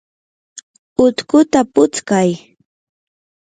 utkuta putskay.